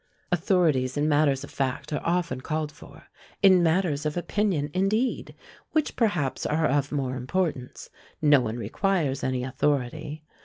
Authorities in matters of fact are often called for; in matters of opinion, indeed, which perhaps are of more importance, no one requires any authority.